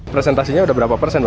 presentasinya sudah berapa persen